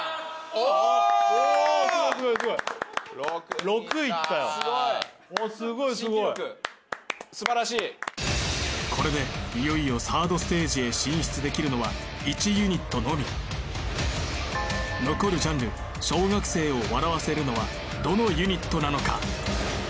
おおすごいすごいおおすごいすごい新記録すばらしいこれでいよいよサードステージへ進出できるのは１ユニットのみ残るジャンル小学生を笑わせるのはどのユニットなのか？